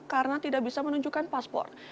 karena tidak bisa menunjukkan paspor